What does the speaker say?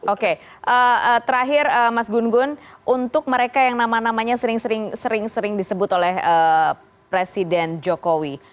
oke terakhir mas gun gun untuk mereka yang nama namanya sering sering disebut oleh presiden jokowi